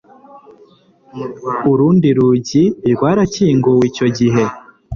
urundi rugi rwarakinguwe icyo gihe